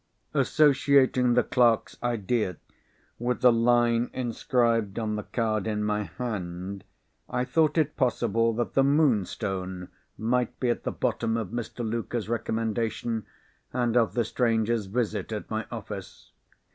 Associating the clerk's idea with the line inscribed on the card in my hand, I thought it possible that the Moonstone might be at the bottom of Mr. Luker's recommendation, and of the stranger's visit at my office.